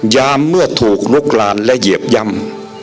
ยามเมื่อถูกลุกลานและเหยียบย่ำ